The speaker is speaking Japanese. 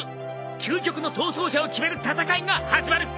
究極の逃走者を決める戦いが始まる。